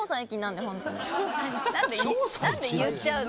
何で言っちゃうの？